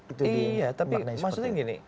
iya tapi maksudnya gini